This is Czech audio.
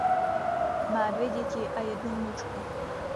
Má dvě děti a jednu vnučku.